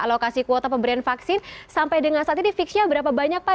alokasi kuota pemberian vaksin sampai dengan saat ini fixnya berapa banyak pak